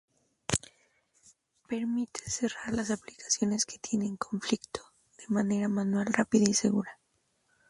Permite cerrar las aplicaciones que tienen conflicto de manera manual rápida y segura.